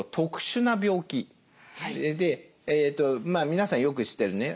皆さんよく知ってるね